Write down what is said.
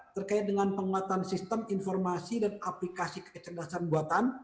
terkait dengan penguatan sistem informasi dan aplikasi kecerdasan buatan